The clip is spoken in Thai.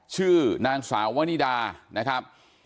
ชื่อนางสาววนิดานะครับ